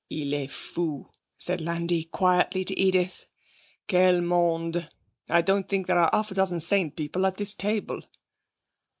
'Il est fou,' said Landi quietly to Edith. 'Quel monde! I don't think there are half a dozen sane people at this table.'